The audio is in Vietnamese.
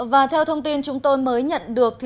và theo thông tin chúng tôi mới nhận được